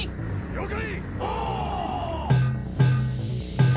「了解！」